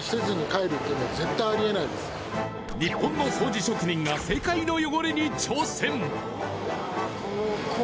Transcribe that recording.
日本の掃除職人が世界の汚れに挑戦。